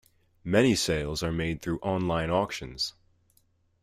Many sales are made through online auctions.